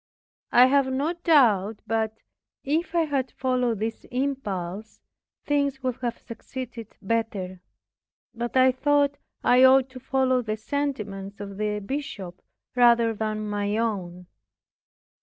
I have no doubt but, if I had followed this impulse, things would have succeeded better. But I thought I ought to follow the sentiments of the Bishop rather than my own.